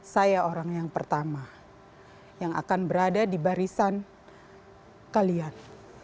saya orang yang pertama yang akan berada di barisan kalian